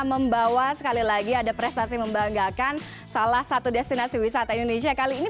membawa sekali lagi ada prestasi membanggakan salah satu destinasi wisata indonesia kali ini